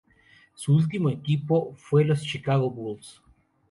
Su último equipo fue los Chicago Bulls.